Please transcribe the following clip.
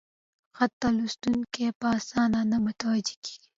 خط ته لوستونکي په اسانه نه متوجه کېږي: